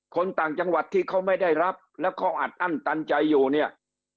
คนต่างจังหวัดที่เขาไม่ได้รับแล้วเขาอัดอั้นตันใจอยู่เนี่ย